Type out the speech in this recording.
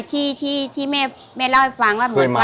ที่แม่เล่าให้ฝังว่านิทัลลังก์